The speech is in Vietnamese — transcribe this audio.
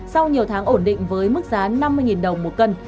sau nhiều tháng ổn định với mức giá năm mươi đồng một cân